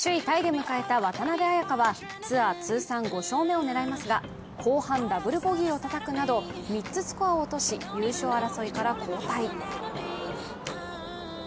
タイで迎えた渡邉彩香はツアー通算５勝目を狙いますが後半ダブルボギーをたたくなど３つスコアを落とし、優勝争いから後退。